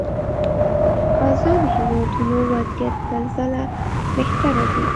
ازادو هېوادونو وضعيت سل ځله بهتره دي.